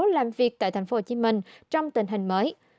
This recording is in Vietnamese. làm việc tại thành phố hồ chí minh trong tình hình mới